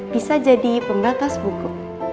bisa jadi pembatas buku